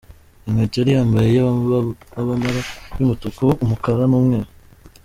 Inkweto yari yambaye y'abamara y'umutuku, umukara n'umweru.